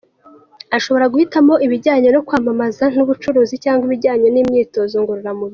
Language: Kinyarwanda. Ashobora guhitamo ibijyanye no kwamamaza n’ubucuruzi cyangwa ibijyanye n’imyitozo ngororamubiri.